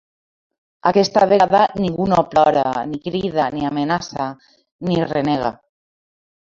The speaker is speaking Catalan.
Aquesta vegada ningú no plora, ni crida, ni amenaça, ni renega...